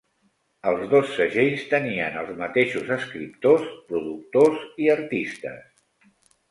Els dos segells tenien els mateixos escriptors, productors i artistes.